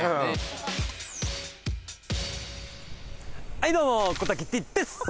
はいどうも小瀧Ｄです！